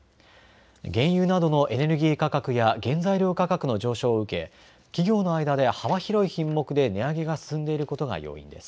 原油などのエネルギー価格や原材料価格の上昇を受け企業の間で幅広い品目で値上げが進んでいることが要因です。